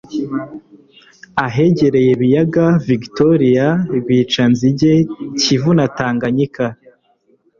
ahegereye ibiyaga Vigitoriya Rwicanzige, Kivu na Tanganyika